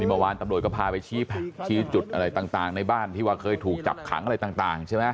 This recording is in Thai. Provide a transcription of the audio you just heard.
เมื่อวานตำรวจก็พาไปชี้จุดอะไรต่างในบ้านที่ว่าเคยถูกจับขังอะไรต่างใช่ไหม